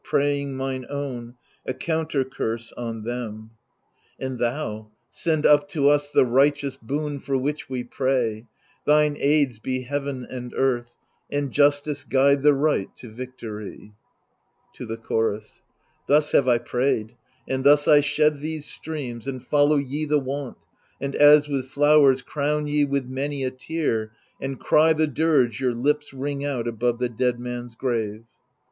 Praying mine own, a counter curse on them. SS THE LIBATION BEARERS And thou, send up to us the righteous boon For which we pray; thine aids be heaven and earth, And justice guide the right to victory, [To the Chorus, Thus have I prayed, and thus I shed these streams, And follow ye the wont, and as with flowers Crown ye with many a tear and cry the dirge Your lips ring out above the dead man's grave.